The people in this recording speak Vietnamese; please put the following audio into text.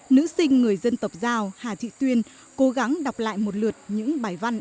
nữ sinh người dân tộc giao hà thị tuyên cố gắng đọc lại một lượt những bài văn